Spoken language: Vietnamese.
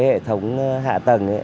hệ thống hạ tầng